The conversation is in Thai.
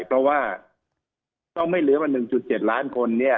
เพราะว่าต้องไม่ลืมว่า๑๗ล้านคน